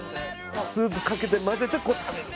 スープかけて混ぜてこうやって食べる。